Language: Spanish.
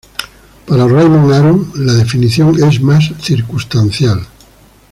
Para Raymond Aron, la definición es más circunstancial.